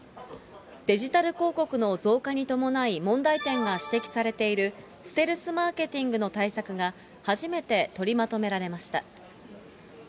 デジタル広告の増加に伴い、問題点が指摘されている、ステルスマーケティングの対策が、初めて取りまとめられました。